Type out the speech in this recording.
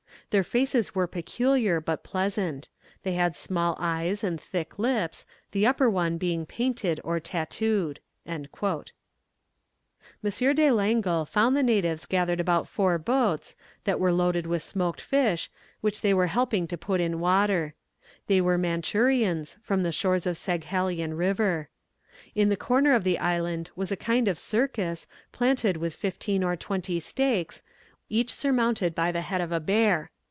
Their faces were peculiar, but pleasant; they had small eyes and thick lips, the upper one being painted or tattooed." [Illustration: He traced the coast of Tartary.] M. de Langle found the natives gathered about four boats, that were loaded with smoked fish, which they were helping to put in water. They were Manchurians, from the shores of Saghalien River. In the corner of the island was a kind of circus, planted with fifteen or twenty stakes, each surmounted by the head of a bear.